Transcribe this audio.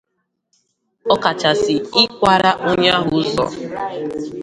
ọkachasị ịkwàrà onye ahụ ụzọ